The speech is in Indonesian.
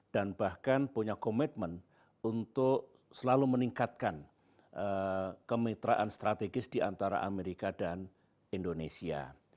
dan bahkan punya komitmen untuk selalu meningkatkan kemitraan strategis di antara amerika dan indonesia